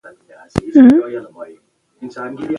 ازادي راډیو د بهرنۍ اړیکې په اړه د کارګرانو تجربې بیان کړي.